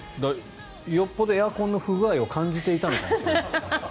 よっぽどエアコンの不具合を感じていたのかもしれない。